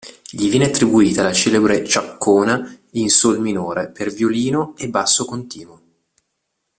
Gli viene attribuita la celebre ciaccona in sol minore per violino e basso continuo.